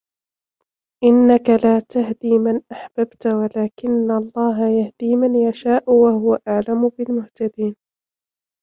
إِنَّكَ لا تَهدي مَن أَحبَبتَ وَلكِنَّ اللَّهَ يَهدي مَن يَشاءُ وَهُوَ أَعلَمُ بِالمُهتَدينَ